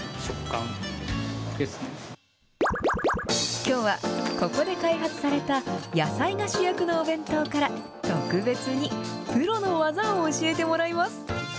きょうはここで開発された野菜が主役のお弁当から特別にプロの技を教えてもらいます。